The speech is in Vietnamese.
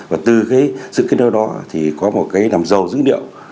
và từ sự kết nối đó thì có một nằm dầu dữ liệu